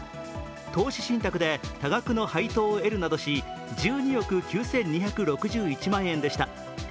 投資信託で多額の配当を得るなどし１２億９２６１万円でした。